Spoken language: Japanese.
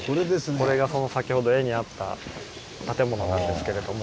これが先ほど絵にあった建物なんですけれども。